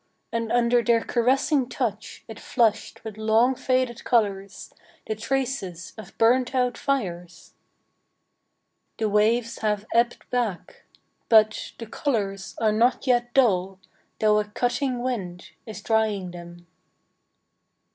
. and under their caressing touch it flushed with long faded colours, the traces of burnt out fires ! The waves have ebbed back ... but the colours are not yet dull, though a cutting wind is drying them.